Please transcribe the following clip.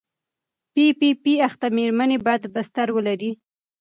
پي پي پي اخته مېرمنې باید بستر ولري.